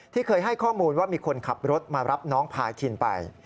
เคยให้ข้อมูลว่ามีคนขับรถมารับน้องพาคินไป